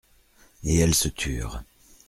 Et elles se turent.